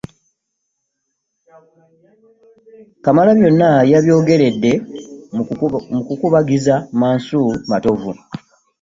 Kamalabyonna yabyogeredde mu kukubagiza Mansul Matovu